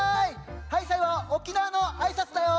はいさいは沖縄のあいさつだよ。